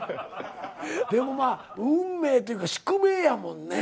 でもまあ運命というか宿命やもんね。